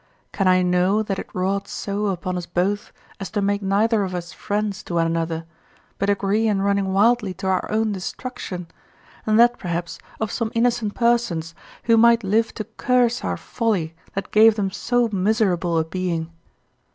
Can I know that it wrought so upon us both as to make neither of us friends to one another, but agree in running wildly to our own destruction, and that perhaps of some innocent persons who might live to curse our folly that gave them so miserable a being?